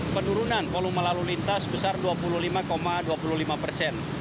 penurunan volume lalu lintas besar dua puluh lima dua puluh lima persen